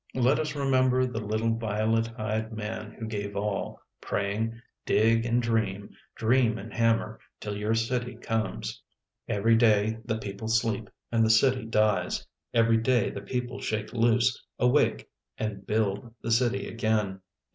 Let us remember the little violet eyed man who gave all, praying, " Dig and dream, dream and hammer, till your city comes." Every day the people sleep and the city dies; every day the people shake loose, awake and build the city again.